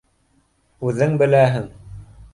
Үҙең беләһең.